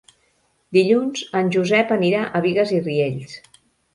Dilluns en Josep anirà a Bigues i Riells.